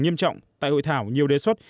nghiêm trọng tại hội thảo nhiều đề xuất